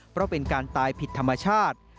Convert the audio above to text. เพราะเป็นการตายผิดธรรมชาติ